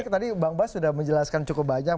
tadi bang bas sudah menjelaskan cukup banyak